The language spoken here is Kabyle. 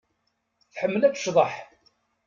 Tḥemmel ad tecḍeḥ.